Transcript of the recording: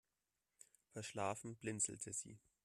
Verschlafen blinzelte sie.